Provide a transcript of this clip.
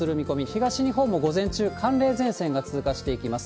東日本も午前中、寒冷前線が通過していきます。